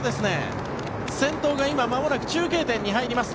先頭が今まもなく中継点に入ります。